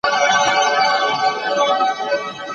هغوی د ټولنیز ژوند په اړه څېړنې کولې.